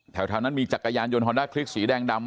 แถวนั้นมีจักรยานยนต์ฮอนด้าคลิกสีแดงดำ